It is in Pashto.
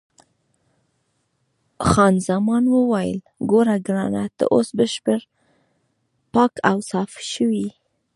خان زمان وویل: ګوره ګرانه، ته اوس بشپړ پاک او صاف شوې.